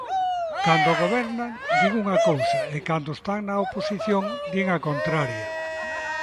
Cando gobernan, din unha cousa, e cando están na oposición, din a contraria.